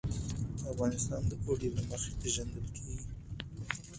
افغانستان د اوړي له مخې پېژندل کېږي.